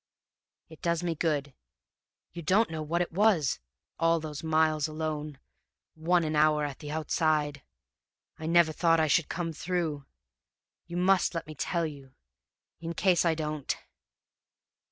"'It does me good. You don't know what it was, all those miles alone, one an hour at the outside! I never thought I should come through. You must let me tell you in case I don't!'